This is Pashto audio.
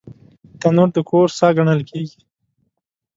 تنور د کور ساه ګڼل کېږي